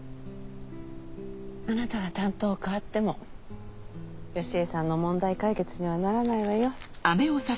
あなたが担当を変わっても芳恵さんの問題解決にはならないわよ。